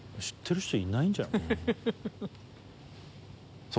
知ってる人いないんじゃない？